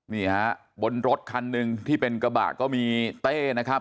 นี่ฮะบนรถคันหนึ่งที่เป็นกระบะก็มีเต้นะครับ